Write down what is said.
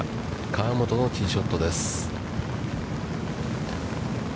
河本のティーショットです。